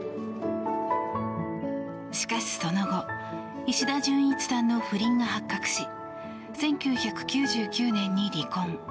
しかしその後、石田純一さんの不倫が発覚し１９９９年に離婚。